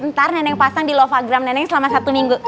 ntar neneng pasang di lovagram neneng selama satu minggu